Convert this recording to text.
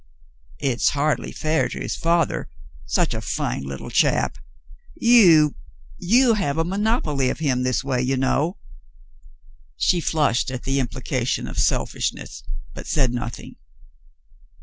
"It's hardly fair to his father — such a fine little chap. You — you have a monopoly of him this way, you know." She flushed at the implication of selfishness, but said nothing.